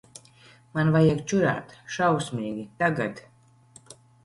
Man vajag čurāt. Šausmīgi. Tagad.